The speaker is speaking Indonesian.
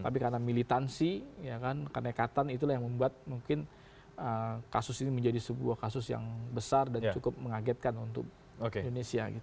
tapi karena militansi kenekatan itulah yang membuat mungkin kasus ini menjadi sebuah kasus yang besar dan cukup mengagetkan untuk indonesia gitu